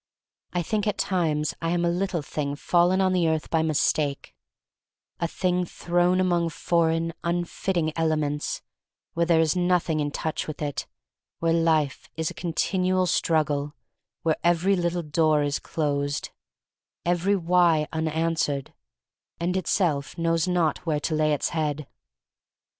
I think at times I am a little thing fallen on the earth by mistake: a thing thrown among foreign, unfitting ele ments, where there is nothing in touch with it, where life is a continual strug gle, where every little door is closed — 171 17:2 THE STORY OF MARY MAC LANE m every Why unanswered, and itself knows not where to lay its head.